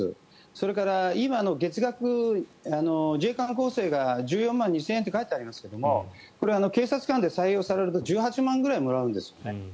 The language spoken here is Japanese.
それから、今の月額自衛官候補生が１４万２０００円と書いてありますが警察官で採用されると１８万円ぐらいもらえるんですね。